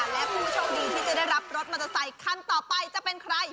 และผู้โชคดีที่จะได้รับรถมอเตอร์ไซคันต่อไปจะเป็นใคร